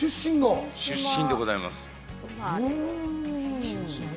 出身でございます。